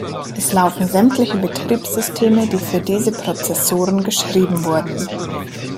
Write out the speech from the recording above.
Es laufen sämtliche Betriebssysteme, die für diese Prozessoren geschrieben wurden.